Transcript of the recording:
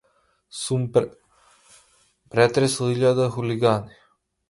Сум претресол илјада хулигани.